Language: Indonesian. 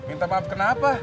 minta maaf kenapa